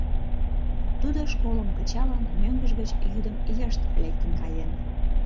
Тудо, школым кычалын, мӧҥгыж гыч йӱдым йышт лектын каен.